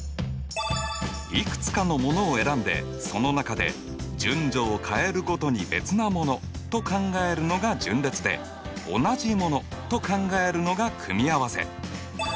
いくつかのものを選んでその中で順序を変えるごとに別なものと考えるのが順列で同じものと考えるのが組合せ。